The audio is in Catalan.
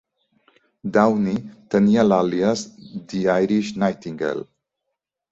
Downey tenia l"àlies "The Irish Nightingale".